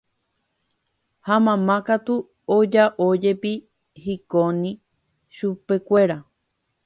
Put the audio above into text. ha mamá katu oja'ójepi hikóni chupekuéra